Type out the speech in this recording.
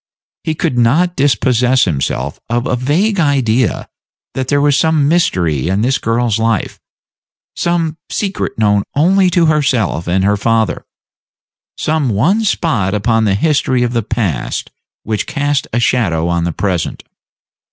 He could not dispossess himself of a vague idea that there was some mystery in this girl's life; some secret known only to herself and her father; some one spot upon the history of the past which cast a shadow on the present.